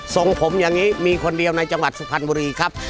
ส่งผมอย่างนี้มีคนเดียวในจังหวัดสุพรรณบุรีครับ